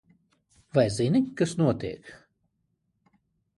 Vai zini, kas notiek?